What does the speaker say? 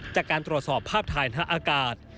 จากการตรวจสอบภาพถ่ายทางอากาศ